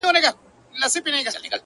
• له ښکاري کوترو چا وکړل سوالونه -